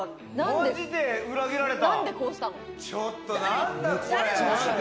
マジで裏切られた。